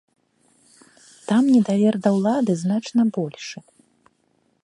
Там недавер да ўлады значна большы.